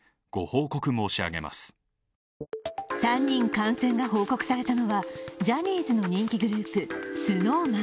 ３人感染が報告されたのはジャニーズの人気グループ、ＳｎｏｗＭａｎ。